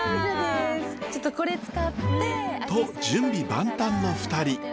ちょっとこれ使って。と準備万端の２人。